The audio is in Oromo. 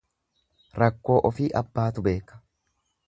Rakkoo offi abbaatu beeka.